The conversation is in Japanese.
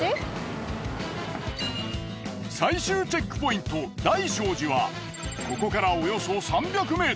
最終チェックポイント大聖寺はここからおよそ３００ｍ。